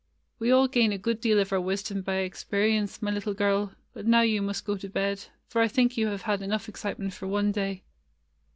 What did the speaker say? "We all gain a good deal of our wisdom by experience, my little girl; but now you must go to bed, for I think you have had enough excitement for one day."